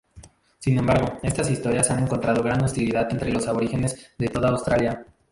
Sin embargo, estas historias han encontrado gran hostilidad entre los aborígenes de toda Australia.